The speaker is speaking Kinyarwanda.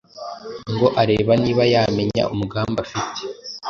ngo arebe niba yamenya umugambi afite,